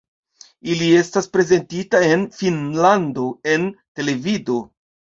Ili estas prezentita en Finnlando en televido.